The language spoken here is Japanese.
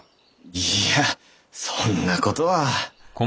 いやそんなことは。